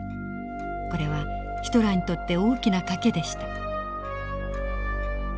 これはヒトラーにとって大きな賭けでした。